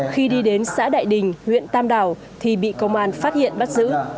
khi đi đến xã đại đình huyện tam đảo thì bị công an phát hiện bắt giữ